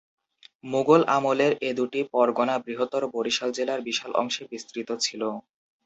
মুগল আমলের এ দুটি পরগনা বৃহত্তর বরিশাল জেলার বিশাল অংশে বিস্তৃত ছিল।